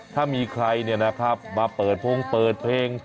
ถ้ามีใครมาเปิดพงเปิดเพลง